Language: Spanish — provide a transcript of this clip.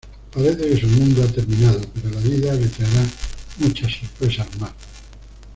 Parece que su mundo ha terminado, pero la vida le traerá muchas sorpresas más.